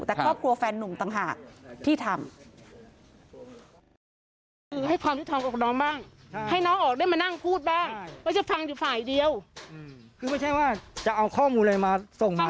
แต่ครอบครัวแฟนนุ่มต่างหากที่ทำ